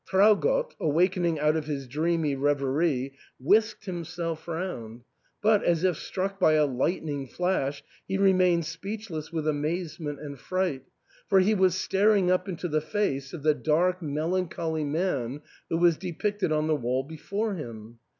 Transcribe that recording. Traugott, awakening out of his dreamy rev erie, whisked himself round ; but, as if struck by a lightning flash, he remained speechless with amazement and fright, for he was staring up into the face of the dark melancholy man who was depicted on the wall before him.